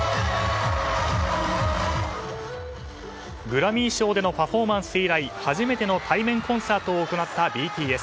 グラミー賞でのパフォーマンス以来初めての対面コンサートを行ったＢＴＳ。